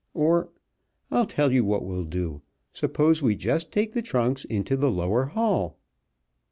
Or I'll tell you what we'll do! Suppose we just take the trunks into the lower hall?"